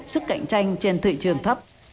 sức cạnh tranh trên thị trường thấp